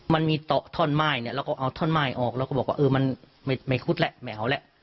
มันมีต่อท่อนไม้เนี่ยเราก็เอาท่อนไม้ออกเราก็บอกว่าเออมันไม่คุดแหละไม่เอาแหละ